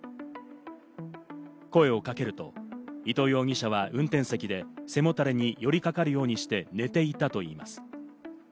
声をかけると、伊藤容疑者は運転席で背もたれに寄り掛かるようにして寝ていたといいます。